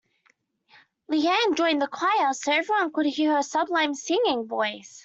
Leanne joined a choir so everyone could hear her sublime singing voice.